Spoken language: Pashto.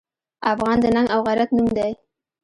افغان د ننګ او غیرت نوم دی.